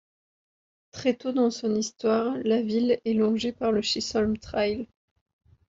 Très tôt dans son histoire, la ville est longée par le Chisholm Trail.